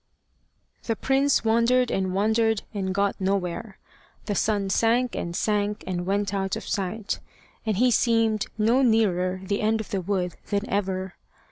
The prince wandered and wandered, and got nowhere. The sun sank and sank and went out of sight, and he seemed no nearer the end of the wood than ever.